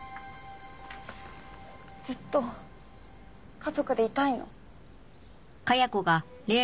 ずっと家族でいたいの。